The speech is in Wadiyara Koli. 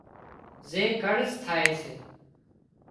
زي قرض ٿائي سي